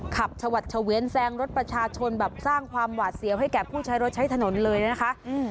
ฉวัดเฉวียนแซงรถประชาชนแบบสร้างความหวาดเสียวให้แก่ผู้ใช้รถใช้ถนนเลยนะคะ